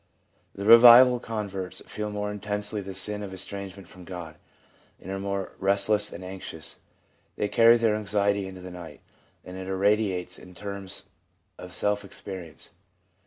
The revival converts feel more intensely the sense of estrangement from God, and are more restless and anxious; they carry their anxiety into the night, and it irradiates in terms of sense experience.